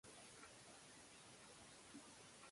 German authorities demanded the steeple be demolished.